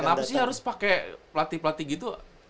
kenapa sih harus pakai pelatih pelatih gitu